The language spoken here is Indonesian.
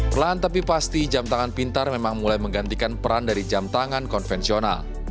perlahan tapi pasti jam tangan pintar memang mulai menggantikan peran dari jam tangan konvensional